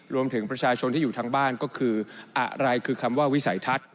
รวมถึงประชาชนที่อยู่ทางบ้านก็คืออะไรคือคำว่าวิสัยทัศน์